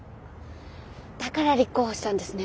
だから立候補したんですね